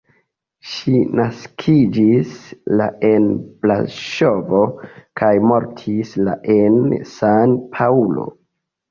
Ŝi naskiĝis la en Braŝovo kaj mortis la en San-Paŭlo.